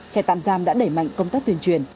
trại tạm giam đã đẩy mạnh công tác tuyên truyền